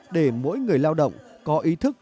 để mỗi người lao động có ý thức